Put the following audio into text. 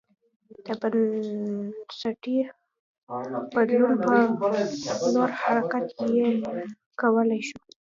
د بنسټي بدلون په لور حرکت یې کولای شو